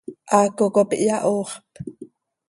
Haaco cop iyahooxp.